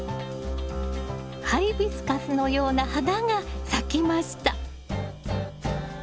ハイビスカスのような花が咲きました。